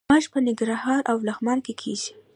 ماش په ننګرهار او لغمان کې کیږي.